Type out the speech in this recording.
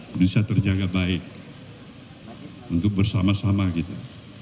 bisa terjaga baik untuk bersama sama kita